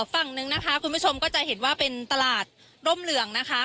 ฝั่งนึงนะคะคุณผู้ชมก็จะเห็นว่าเป็นตลาดร่มเหลืองนะคะ